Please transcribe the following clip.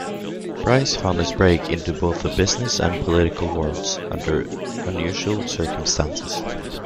Brice found his break into both the business and political worlds under unusual circumstances.